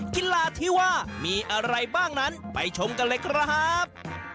กีฬาที่ว่ามีอะไรบ้างนั้นไปชมกันเลยครับ